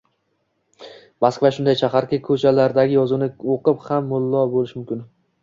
Moskva shunday shaharki, ko‘chalaridagi yozuvni o‘qib ham mullo bo‘lish mumkin.